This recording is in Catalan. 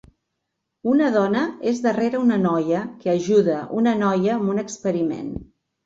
Una dona és darrere una noia que ajuda una noia amb un experiment